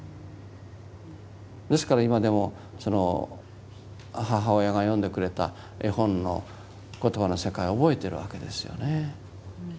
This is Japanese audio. ですから今でも母親が読んでくれた絵本の言葉の世界を覚えてるわけですよね。